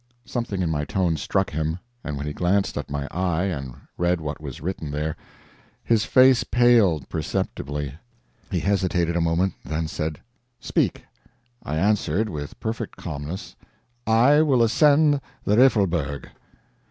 Something in my tone struck him: and when he glanced at my eye and read what was written there, his face paled perceptibly. He hesitated a moment, then said: "Speak." I answered, with perfect calmness: "I will ascend the Riffelberg."